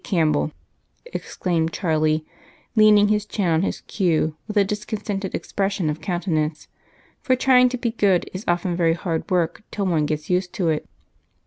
Campbell," exclaimed Charlie, leaning his chin on his cue with a discontented expression of countenance, for trying to be good is often very hard work till one gets used to it.